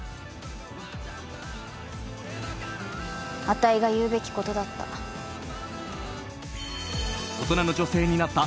あたいが言うべきことだった。